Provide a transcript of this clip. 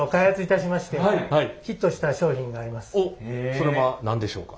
それは何でしょうか？